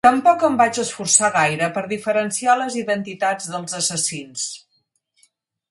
Tampoc em vaig esforçar gaire per diferenciar les identitats dels assassins.